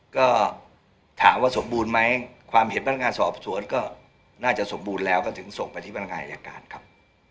ก็ถามว่าสมบูรณ์ไหมความเห็นพนักงานสอบสวนก็น่าจะสมบูรณ์แล้วก็ถึงส่งไปที่พนักงานอายการครับ